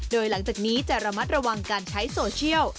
โดยหลังจากนี้จะระมัดระวังการใช้โซเชียล